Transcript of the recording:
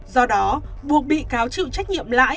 do đó buộc bị cáo chịu trách nhiệm lãi